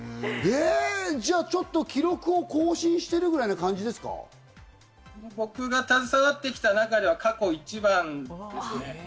じゃあちょっと記録を僕が携わってきた中では過去一番ですね。